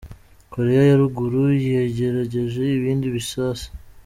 Korea ya ruguru yagerageje ibindi bisase.